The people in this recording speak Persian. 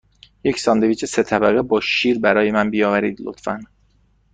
یک ساندویچ سه طبقه با شیر برای من بیاورید، لطفاً.